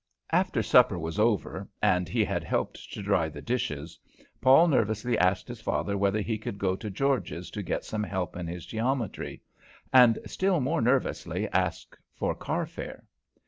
After supper was over, and he had helped to dry the dishes, Paul nervously asked his father whether he could go to George's to get some help in his geometry, and still more nervously asked for car fare.